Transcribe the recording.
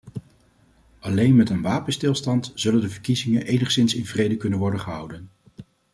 Alleen met een wapenstilstand zullen de verkiezingen enigszins in vrede kunnen worden gehouden.